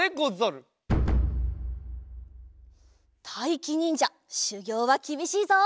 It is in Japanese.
たいきにんじゃしゅぎょうはきびしいぞ。